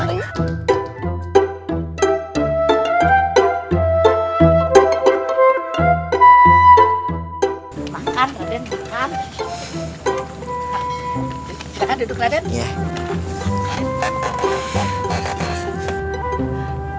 silahkan duduk raden